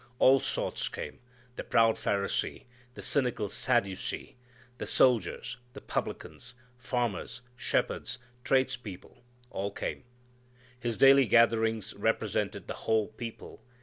All sorts came, the proud Pharisee, the cynical Sadducee, the soldiers, the publicans, farmers, shepherds, tradespeople all came. His daily gatherings represented the whole people.